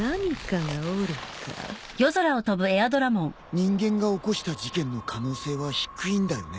人間が起こした事件の可能性は低いんだよね？